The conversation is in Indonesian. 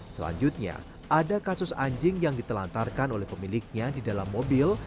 selanjutnya ada kasus anjing yang ditelantarkan oleh pemiliknya di dalam mobil